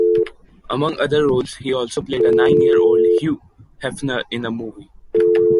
Among other roles, he also played a nine-year-old Hugh Hefner in a movie.